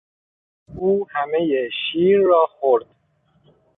او همهی شیر را خورد.